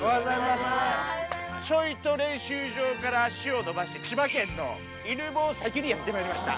ちょいと練習場から足を延ばして、千葉県の犬吠埼にやってまいりました。